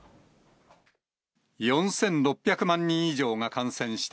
４６００万人以上が感染した